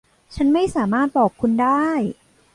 ฉันไม่สามารถบอกคุณได้.